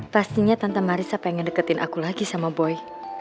pastinya tante marisa pengen deketin aku lagi sama boy